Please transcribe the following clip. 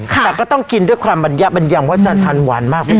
แต่ก็ต้องกินด้วยความบรรยะบัญญังเพราะจะทานหวานมากไหม